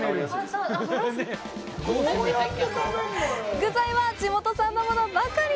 具材は地元産のものばかり！